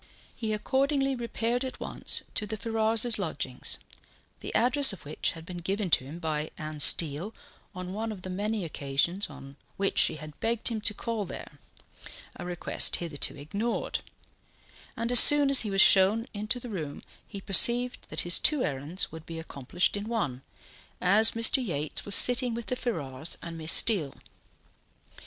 He accordingly repaired at once to the Ferrars's lodgings, the address of which had been given to him by Anne Steele on one of the many occasions on which she had begged him to call there a request hitherto ignored; and as soon as he was shown into the room he perceived that his two errands would be accomplished in one, as Mr. Yates was sitting with the Ferrars and Miss Steele.